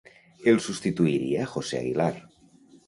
El substituiria José Aguilar.